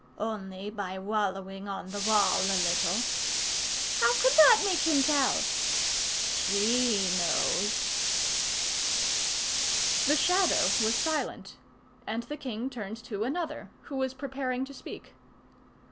"Only by wallowing on the wall a little." "How could that make him tell?" "He knows." The Shadow was silent; and the king turned to another, who was preparing to speak.